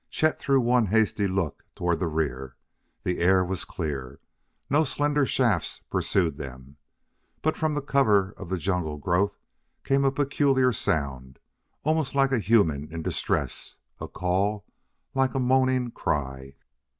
Chet threw one hasty look toward the rear; the air was clear; no slender shafts pursued them. But from the cover of the jungle growth came a peculiar sound, almost like a human in distress a call like a moaning cry.